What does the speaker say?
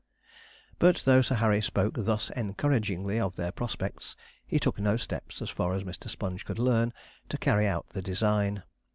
But though Sir Harry spoke thus encouragingly of their prospects, he took no steps, as far as Mr. Sponge could learn, to carry out the design.